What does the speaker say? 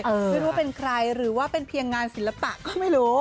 ไม่รู้ว่าเป็นใครหรือว่าเป็นเพียงงานศิลปะก็ไม่รู้